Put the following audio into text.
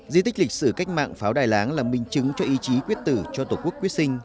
di tích lịch sử cách mạng pháo đài láng là minh chứng cho ý chí quyết tử cho tổ quốc quyết sinh